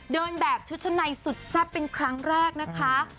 เดินแบบชุดชั้นในสุดแซ่บเป็นครั้งแรกนะคะ